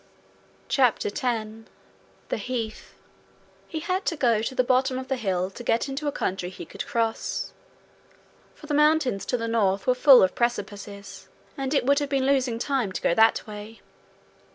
CHAPTER 10 The Heath He had to go to the bottom of the hill to get into a country he could cross, for the mountains to the north were full of precipices, and it would have been losing time to go that way.